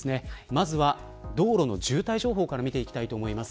まずは道路の渋滞情報から見ていきます。